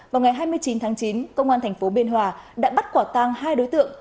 vào ngày hai mươi chín tháng chín công an tp biên hòa đã bắt quả tang hai đối tượng